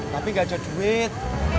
tapi gak ada duit